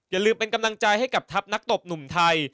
อย่าลืมเป็นกำลังใจให้กับทัพนักตบหนุ่มไทย